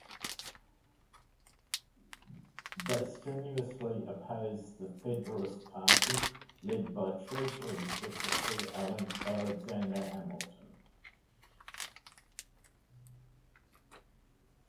They strenuously opposed the Federalist Party, led by Treasury Secretary Alexander Hamilton.